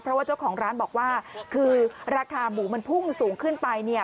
เพราะว่าเจ้าของร้านบอกว่าคือราคาหมูมันพุ่งสูงขึ้นไปเนี่ย